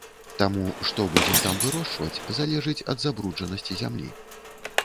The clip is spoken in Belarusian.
Таму, што будзем там вырошчваць, залежыць ад забруджанасці зямлі.